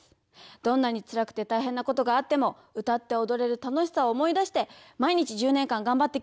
どんなにつらくて大変なことがあっても歌っておどれる楽しさを思い出して毎日１０年間がんばってきました。